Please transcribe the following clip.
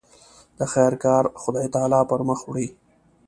د خیر کار خدای تعالی پر مخ وړي.